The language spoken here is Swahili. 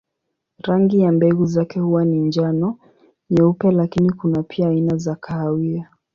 Rangi ya mbegu zake huwa ni njano, nyeupe lakini kuna pia aina za kahawia.